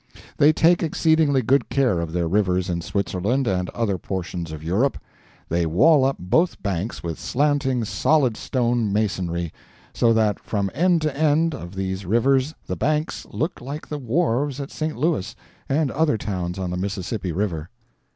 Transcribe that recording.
They take exceedingly good care of their rivers in Switzerland and other portions of Europe. They wall up both banks with slanting solid stone masonry so that from end to end of these rivers the banks look like the wharves at St. Louis and other towns on the Mississippi River.